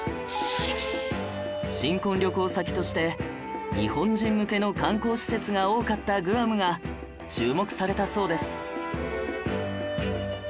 新婚旅行先として日本人向けの観光施設が多かったグアムが注目されたそうです